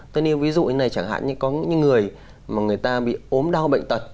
tôi nghĩ ví dụ như thế này chẳng hạn như có những người mà người ta bị ốm đau bệnh tật